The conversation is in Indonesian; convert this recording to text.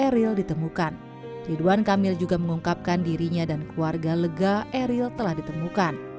eril ditemukan ridwan kamil juga mengungkapkan dirinya dan keluarga lega eril telah ditemukan